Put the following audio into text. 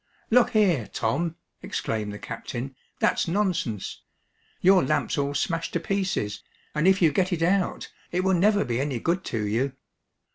"Look here, Tom!" exclaimed the captain, "that's nonsense. Your lamp's all smashed to pieces, and if you get it out, it will never be any good to you."